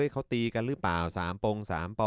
เขาตีกันหรือเปล่า๓ปง๓ป